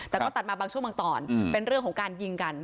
แต่ก็ตัดมาบางช่วงบางตอนเป็นเรื่องของการยิงกัน